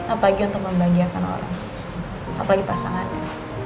apalagi untuk membahagiakan orang apalagi pasangannya